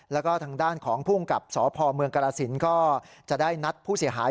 แล้วก็ทางด้านของภูมิกับสพเมืองกรสินก็จะได้นัดผู้เสียหาย